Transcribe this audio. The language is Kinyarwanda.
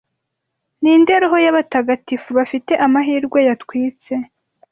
ninde roho yabatagatifu bafite amahirwe yatwitse